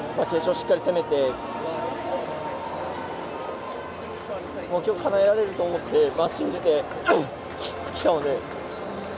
しっかり攻めて今日、かなえられると思って信じてきたので。